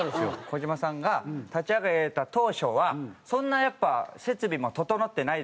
児島さんが立ち上げた当初はそんなやっぱ設備も整ってないですし